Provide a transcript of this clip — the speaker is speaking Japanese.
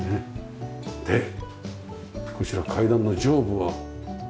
でこちらの階段の上部は。